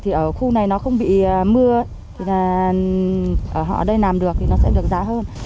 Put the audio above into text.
thì ở khu này nó không bị mưa thì họ ở đây làm được thì nó sẽ được giá hơn